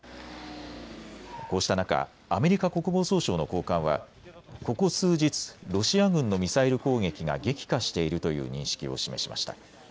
こうした中、アメリカ国防総省の高官はここ数日、ロシア軍のミサイル攻撃が激化しているという認識を示しました。